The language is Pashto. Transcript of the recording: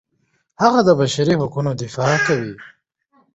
هغه د بشري حقونو دفاع کوي.